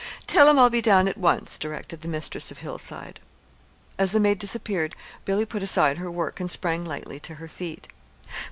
"Tell him I'll be down at once," directed the mistress of Hillside. As the maid disappeared, Billy put aside her work and sprang lightly to her feet.